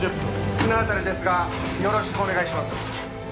綱渡りですがよろしくお願いします。